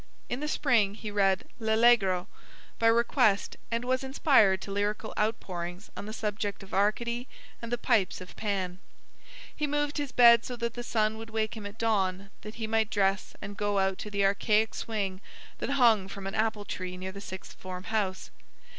In the spring he read "L'Allegro," by request, and was inspired to lyrical outpourings on the subject of Arcady and the pipes of Pan. He moved his bed so that the sun would wake him at dawn that he might dress and go out to the archaic swing that hung from an apple tree near the sixth form house.